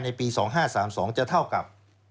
ปี๒๕๓๒จะเท่ากับ